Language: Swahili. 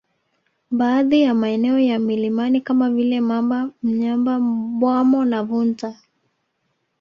Baadhi ya maeneo ya milinani kama vile mamba Mnyamba Bwambo na Vunta